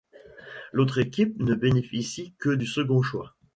L'autre équipe ne bénéficie que du second choix.